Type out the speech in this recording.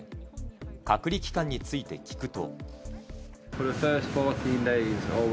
隔離期間について聞くと。